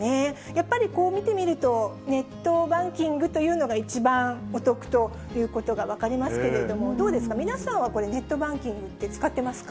やっぱりこう見てみると、ネットバンキングというのが一番お得ということが分かりますけれども、どうですか、皆さんはこれ、ネットバンキングって使ってます